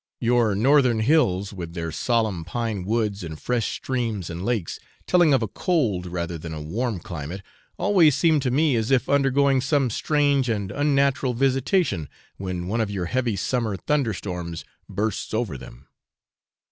Your northern hills, with their solemn pine woods, and fresh streams and lakes, telling of a cold rather than a warm climate, always seem to me as if undergoing some strange and unnatural visitation, when one of your heavy summer thunder storms bursts over them.